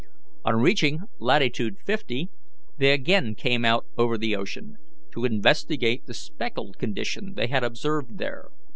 On reaching latitude fifty they again came out over the ocean to investigate the speckled condition they had observed there.